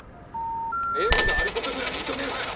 エゴがあることぐらい認めろよ！